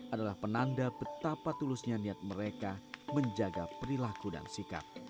adalah penanda betapa tulusnya niat mereka menjaga perilaku dan sikap